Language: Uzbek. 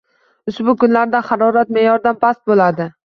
Ushbu kunlarda harorat me’yordan past bo‘ladi